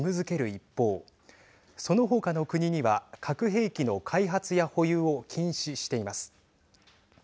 一方その他の国には核兵器の開発や保有を禁止しています。